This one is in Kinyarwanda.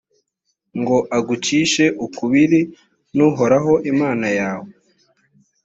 ngo agucishe ukubiri n’uhoraho imana yawe